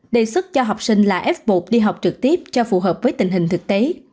đề xuất cho học sinh là f một đi học trực tiếp cho phù hợp với tình hình thực tế